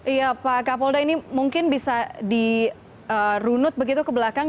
iya pak kapolda ini mungkin bisa dirunut begitu ke belakang